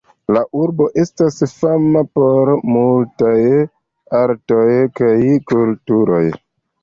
La urbo estas fama por multaj artoj kaj kulturoj.